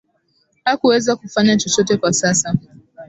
hakuweza kufanya chochote kwa sasa